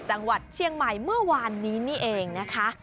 จังหวัดเชียงใหม่เมื่อวานนี้นี่เองนะคะ